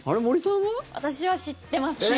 私は知ってますね。